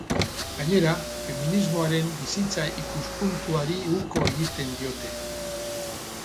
Gainera, feminismoaren bizitza-ikuspuntuari uko egiten diote.